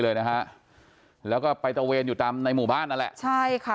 เลยนะฮะแล้วก็ไปตะเวนอยู่ตามในหมู่บ้านนั่นแหละใช่ค่ะ